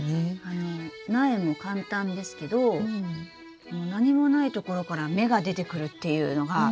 あの苗も簡単ですけど何もないところから芽が出てくるっていうのが。